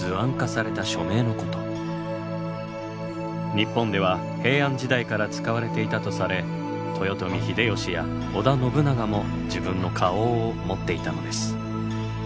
日本では平安時代から使われていたとされ豊臣秀吉や織田信長も自分の花押を持っていたのです。